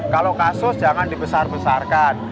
kalau kasus jangan dibesar besarkan